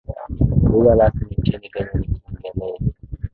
Lugha rasmi nchini Kenya ni Kiingereza.